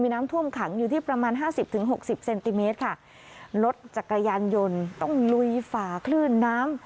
น้ำท่วมขังอยู่ที่ประมาณห้าสิบถึงหกสิบเซนติเมตรค่ะรถจักรยานยนต์ต้องลุยฝ่าคลื่นน้ำ